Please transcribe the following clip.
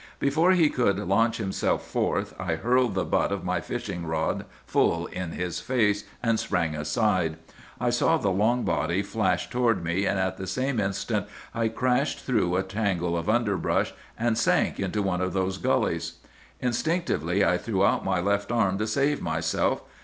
"'Before he could launch himself forth, I hurled the butt of my fishing rod full in his face, and sprang aside. I saw the long body flash toward me, and at the same instant I crashed through a tangle of underbrush, and sank into one of those gullies. "'Instinctively I threw out my left arm to save myself.